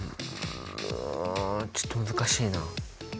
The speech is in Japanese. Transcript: うんちょっと難しいな。